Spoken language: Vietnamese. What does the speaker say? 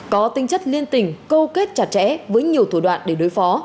có tinh chất liên tình câu kết chặt chẽ với nhiều thủ đoạn để đối phó